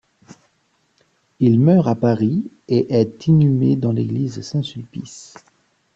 Il meurt à Paris et est inhumé dans l'église Saint-Sulpice.